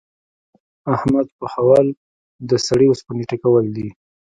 احمد پوهول؛ د سړې اوسپنې ټکول دي.